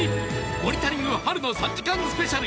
「モニタリング春の３時間スペシャル！」